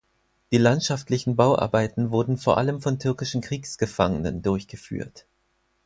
Die landschaftlichen Bauarbeiten wurden vor allem von türkischen Kriegsgefangenen durchgeführt.